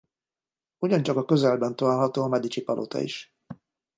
Ugyancsak a közelben található a Medici-palota is.